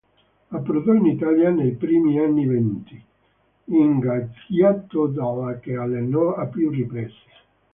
Approdò in Italia nei primi anni venti, ingaggiato dalla che allenò a più riprese.